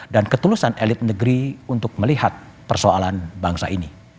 dan ketulusan elit negeri untuk melihat persoalan bangsa ini